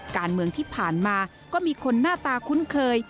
การเมืองที่ผ่านมาก็มีคนหน้าตาคุ้นเคย